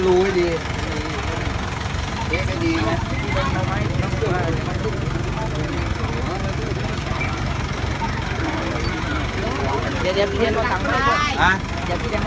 สวัสดีครับทุกคน